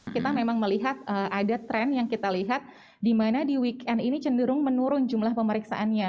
kita memang melihat ada tren yang kita lihat di mana di weekend ini cenderung menurun jumlah pemeriksaannya